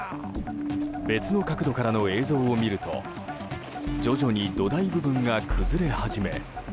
別の角度からの映像を見ると徐々に土台部分が崩れ始め。